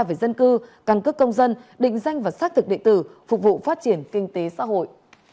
về dân cư căn cước công dân định danh và xác thực địa tử phục vụ phát triển kinh tế xã hội